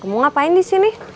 kamu ngapain di sini